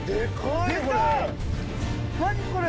何これ？